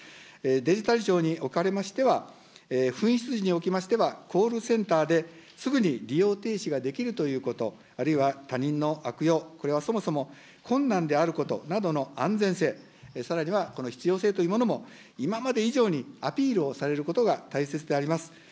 デジタル庁におかれましては、紛失時におきましては、コールセンターですぐに利用停止ができるということ、あるいは他人の悪用、これはそもそも困難であることなどの安全性、さらにはこの必要性というものも今まで以上にアピールをされることが大切であります。